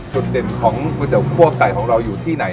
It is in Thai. จุดเด่นของก๋วยเตี๋ยคั่วไก่ของเราอยู่ที่ไหน